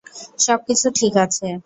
সবকিছু ঠিক আছে!